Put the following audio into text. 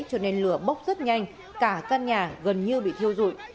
cho nên lửa bốc rất nhanh cả căn nhà gần như bị thiêu dụi